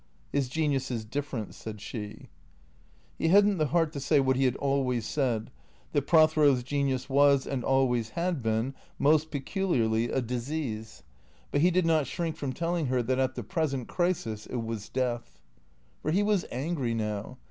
" His genius is different," said she. He had n't the heart to say what he had always said, that Pro thero's genius was and always had been most peculiarly a disease; T H E C E E A T 0 R S 509 but he did not shrink from telling her that at the present crisis it was death. For he was angry now.